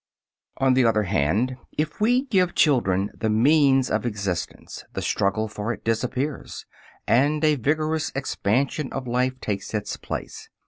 On the other hand, if we give children the means of existence, the struggle for it disappears, and a vigorous expansion of life takes its place.